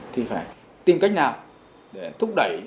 thì phải tìm cách nào để thúc đẩy